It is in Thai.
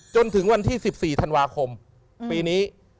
จนถึงวันที่๑๔ธันวาคมปีนี้